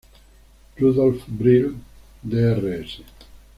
Rudolf Brill, Drs.